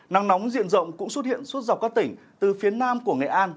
nắng nóng diện rộng cũng xuất hiện suốt dọc các tỉnh từ phía nam của nghệ an